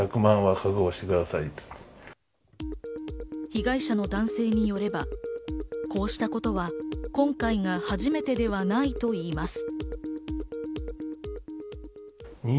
被害者の男性によれば、こうしたことが今回が初めてではないといいます。